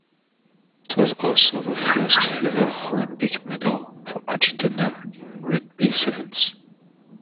It was also the first ever Olympic medal for Argentina in rugby sevens.